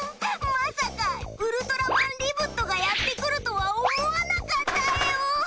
まさかウルトラマンリブットがやって来るとは思わなかったよ！